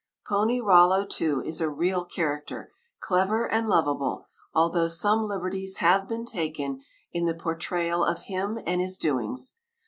Pony Rollo, too, is a real character, clever and lovable, although some liberties have been taken in the portrayal of him and his doings.